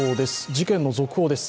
事件の続報です。